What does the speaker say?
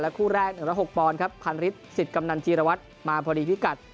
คู่แรก๑๐๖ปอนด์ครับพันฤทธิสิทธิ์กำนันจีรวัตรมาพอดีพิกัด